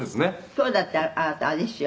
「今日だってあなたあれですよ。